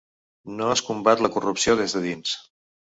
No es combat la corrupció des de dins.